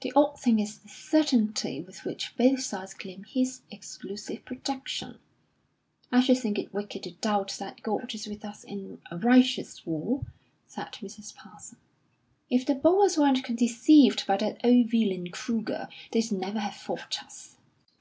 "The odd thing is the certainty with which both sides claim His exclusive protection." "I should think it wicked to doubt that God is with us in a righteous war," said Mrs. Parsons. "If the Boers weren't deceived by that old villain Kruger, they'd never have fought us."